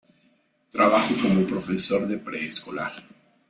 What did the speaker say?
Trabajó como profesor de preescolar.